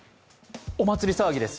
お祭り騒ぎです。